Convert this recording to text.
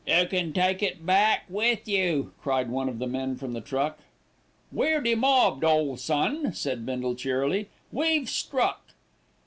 "You can take it back with you," cried one of the men from the truck. "We're demobbed, ole son," said Bindle cheerily. "We've struck."